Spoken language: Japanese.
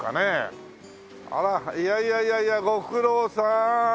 あらいやいやいやいやご苦労さん。